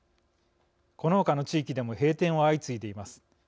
この他の地域でも閉店は相次いでいます。